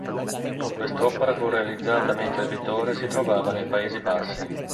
Quest'opera fu realizzata mentre il pittore si trovava nei Paesi Bassi.